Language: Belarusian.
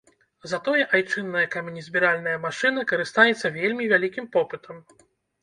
Затое айчынная каменезбіральная машына карыстаецца вельмі вялікім попытам.